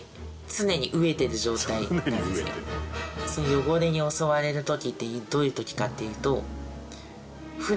ヨゴレに襲われる時ってどういう時かっていうと。